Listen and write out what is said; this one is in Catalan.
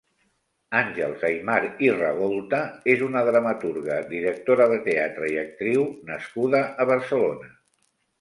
Àngels Aymar i Ragolta és una dramaturga, directora de teatre i actriu nascuda a Barcelona.